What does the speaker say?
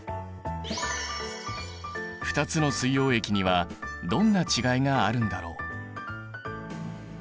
２つの水溶液にはどんな違いがあるんだろう。